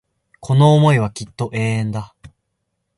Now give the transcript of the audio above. この思いはきっと永遠だ